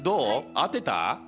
合ってた？